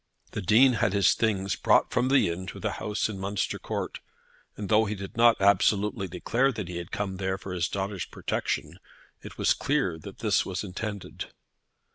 The Dean had his things brought from the inn to the house in Munster Court, and though he did not absolutely declare that he had come there for his daughter's protection, it was clear that this was intended.